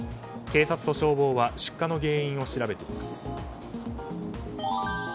警察と消防は出火の原因を調べています。